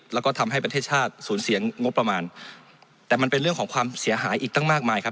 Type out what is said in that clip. แล้วก็ทำให้ประเทศชาติสูญเสียงบประมาณแต่มันเป็นเรื่องของความเสียหายอีกตั้งมากมายครับ